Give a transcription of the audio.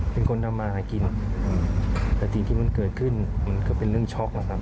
เป็นคนทำมาหากินแต่สิ่งที่มันเกิดขึ้นมันก็เป็นเรื่องช็อกแล้วครับ